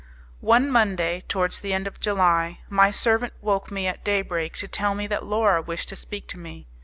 One Monday, towards the end of July, my servant woke me at day break to tell me that Laura wished to speak to me.